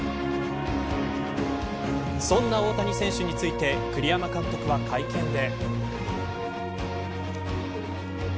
そんな大谷選手について栗山監督は会見で。